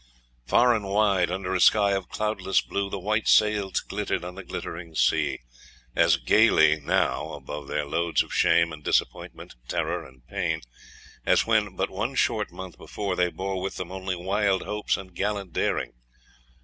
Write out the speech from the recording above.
Far and wide, under a sky of cloudless blue, the white sails glittered on the glittering sea, as gaily now, above their loads of shame and disappointment terror and pain, as when, but one short month before, they bore with them only wild hopes and gallant daring.